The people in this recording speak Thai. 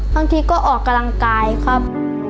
บางทีก็ออกกำลังกายครับ